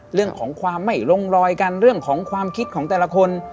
เรื่องของความไม่ลงรอยกันเรื่องของความคิดของแต่ละคน